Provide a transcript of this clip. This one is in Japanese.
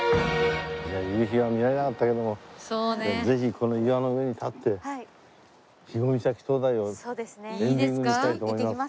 じゃあ夕日は見られなかったけどもぜひこの岩の上に立って『日御碕灯台』をエンディングにしたいと思います。